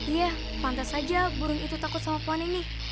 iya pantas aja burung itu takut sama pohon ini